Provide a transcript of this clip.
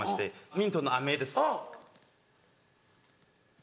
ミントのあめです。